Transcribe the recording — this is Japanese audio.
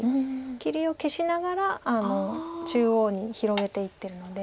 切りを消しながら中央に広げていってるので。